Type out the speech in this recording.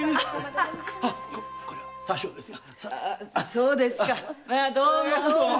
そうですかどうも。